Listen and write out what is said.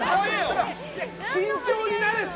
慎重になれって。